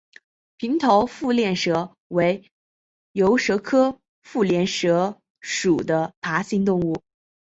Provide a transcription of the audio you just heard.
平头腹链蛇为游蛇科腹链蛇属的爬行动物。